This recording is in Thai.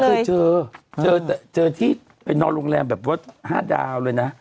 เคยเจอเจอที่ไปนอนโรงแรมแบบว่า๕ดาวเลยนะ